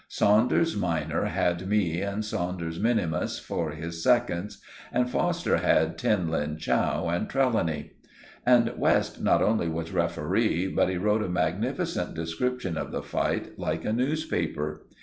Saunders minor had me and Saunders minimus for his seconds, and Foster had Tin Lin Chow and Trelawny. And West not only was referee, but he wrote a magnificent description of the fight, like a newspaper.